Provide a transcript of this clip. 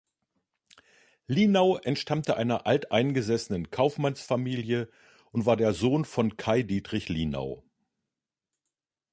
Lienau entstammte einer alteingesessenen Kaufmannsfamilie und war der Sohn von Cay Dietrich Lienau.